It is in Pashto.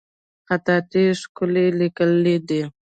خطاطي ښکلی لیکل دي